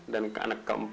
dan anak keempat